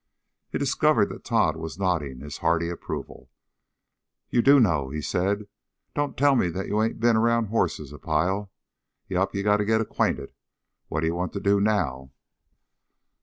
He discovered that Tod was nodding in hearty approval. "You do know," he said. "Don't tell me that you ain't been around hosses a pile. Yep, you got to get acquainted. What you want to do now?"